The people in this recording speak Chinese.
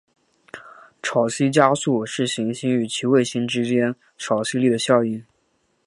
潮汐加速是行星与其卫星之间潮汐力的效应。